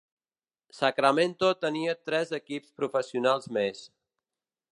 Sacramento tenia tres equips professionals més.